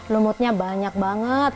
lumutnya banyak banget